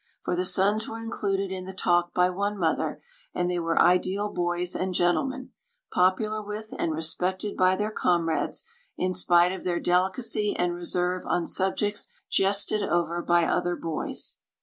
For the sons were included in the talk by one mother, and they were ideal boys and gentlemen popular with, and respected by their comrades, in spite of their delicacy and reserve on subjects jested over by other boys.